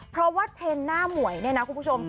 เพราะว่าเทรนด์หน้าหมวยเนี่ยนะคุณผู้ชม